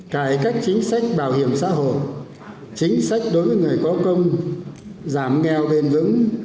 cải cách chính sách bảo hiểm xã hội chính sách đối với người có công giảm nghèo bền vững